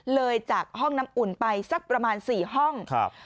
เลยจากห้องน้ำอุ่นไปสักประมาณ๔ห้องครับ